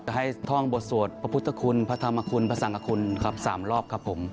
ให้ท่องบทสวดพระพุทธคุณพระธรรมคุณพระสังคคุณครับ๓รอบครับผม